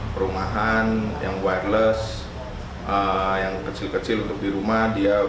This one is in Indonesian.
perumahan yang wireless yang kecil kecil untuk di rumah